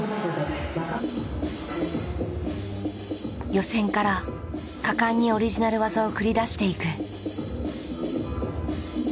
予選から果敢にオリジナル技を繰り出していく。